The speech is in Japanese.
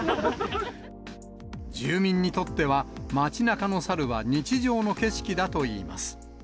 住民にとっては、街なかの猿は日常の景色だといいます。